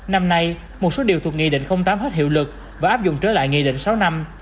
năm nay một số điều thuộc nghị định tám hết hiệu lực và áp dụng trở lại nghị định sáu năm